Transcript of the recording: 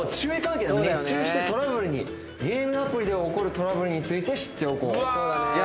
「熱中してトラブルにゲームアプリで起こるトラブルについて知っておこう」